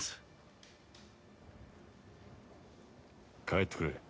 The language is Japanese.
帰ってくれ。